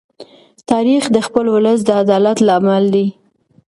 تاریخ د خپل ولس د عدالت لامل دی.